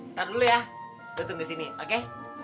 ntar dulu ya gue tunggu di sini oke